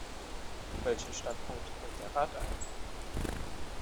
Welchen Standpunkt nimmt der Rat ein?